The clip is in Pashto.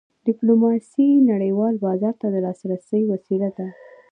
ډیپلوماسي نړیوال بازار ته د لاسرسي وسیله ده.